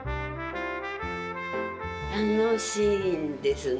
楽しいんですね。